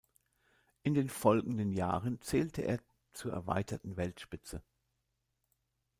In den folgenden Jahren zählte er zur erweiterten Weltspitze.